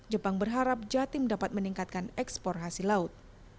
jepang berharap jatim dapat meningkatkan ekspor hasil laut